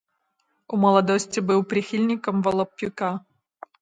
У маладосці быў прыхільнікам валапюка.